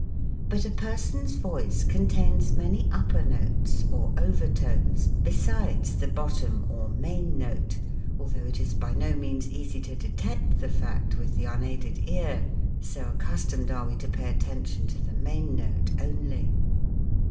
But a person's voice contains many upper notes or overtones, besides the bottom or main note ; although it is by no means easy to detect the fact with the unaided ear, so accus tomed are we to pay attention to the main note only.